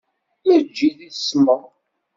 Eǧǧ-it i tesmeḍ.